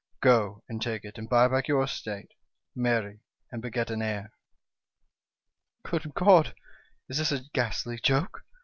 Go and take it and buy back your estate : marry, and beget an heir.' "' Good God ! is this a ghastly joke